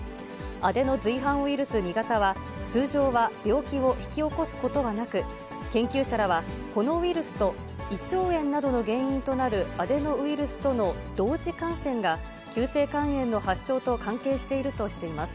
アデノ随伴ウイルス２型は、通常は病気を引き起こすことはなく、研究者らはこのウイルスと胃腸炎の原因となるアデノウイルスとの同時感染が、急性肝炎の発症と関係しているとしています。